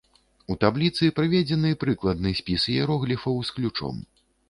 У табліцы прыведзены прыкладны спіс іерогліфаў з ключом.